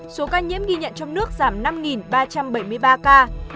số ca nhiễm ghi nhận trong nước giảm năm ba trăm bảy mươi ba ca